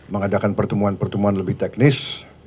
mengadakan pertemuan pertemuan lebih teknis